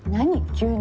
急に。